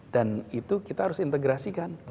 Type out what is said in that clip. dan itu kita harus integrasikan